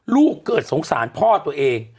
ลูกเกิดสงสารพ่อตัวเอง